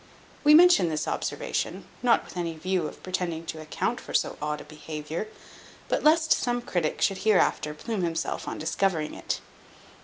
We mention this observation, not with any view of pretending to account for so odd a behaviour, but lest some critic should hereafter plume himself on discovering it.